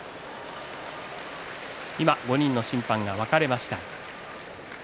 今、５人の審判が分かれました。